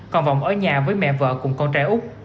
còn vọng ở nhà với mẹ vợ cùng con trai úc